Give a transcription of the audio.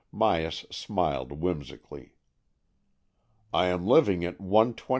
Myas smiled whimsically. "I am living at 121 Knox Street.